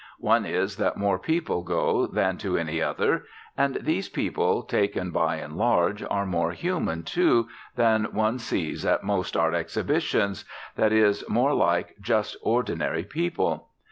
One is that more people go than to any other. And these people, taken by and large, are more human, too, than one sees at most art exhibitions, that is more like just ordinary people.